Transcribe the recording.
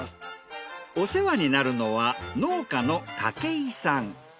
お世話になるのは農家の武井さん。